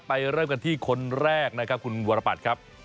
ไปเริ่มกันที่คนแรกนะครับคุณบริปุฏ